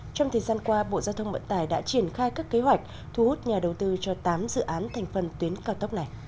trong thời gian qua bộ giao thông vận tải đã triển khai các kế hoạch thu hút nhà đầu tư cho tám dự án thành phần tuyến cao tốc này